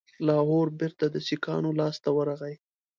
لاهور بیرته د سیکهانو لاسته ورغی.